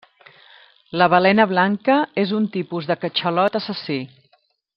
La balena blanca és un tipus de catxalot assassí.